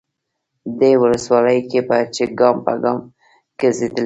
دې ولسوالۍ کې چې ګام به ګام ګرځېدلی،